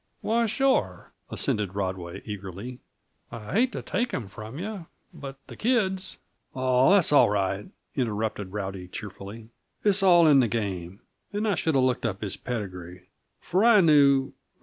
"Why, sure!" assented Rodway eagerly. "I hate to take him from yuh, but the kids " "Oh, that's all right," interrupted Rowdy cheerfully. "It's all in the game, and I should 'a' looked up his pedigree, for I knew